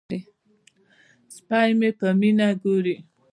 سپی مې په مینه ګوري.